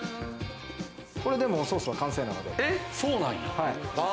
これでもうソースは完成なんで。